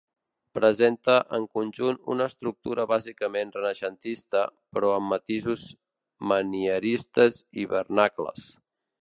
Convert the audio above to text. Presenta en conjunt una estructura bàsicament renaixentista, però amb matisos manieristes i vernacles.